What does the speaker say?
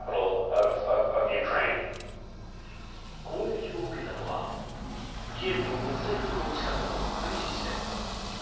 攻撃を受けたのはキエフの国際空港近くの軍事施設。